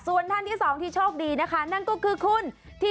ส่วนท่านที่สองที่โชคดีนะคะนั่นก็คือคุณ